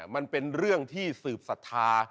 มันเป็นเรื่องที่สืบศรัทธา